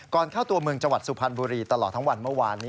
เข้าตัวเมืองจังหวัดสุพรรณบุรีตลอดทั้งวันเมื่อวานนี้